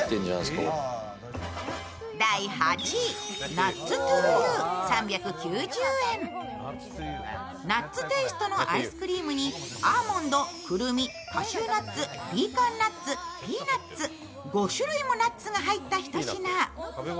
ナッツテイストのアイスクリームにアーモンドくるみ、カシューナッツピーカンナッツ、ピーナッツ、５種類もナッツが入ったひと品。